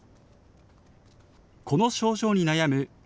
この症状に悩む笑